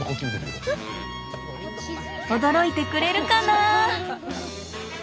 驚いてくれるかな？